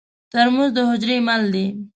ترموز د حجرې مل دی.